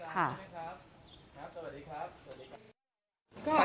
ครับสวัสดีครับ